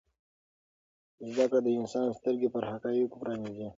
زده کړه د انسان سترګې پر حقایضو پرانیزي.